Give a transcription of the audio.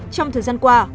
trong thời gian qua